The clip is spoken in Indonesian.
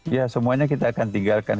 ya semuanya kita akan tinggalkan